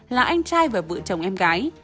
là anh trai và vợ chồng em gái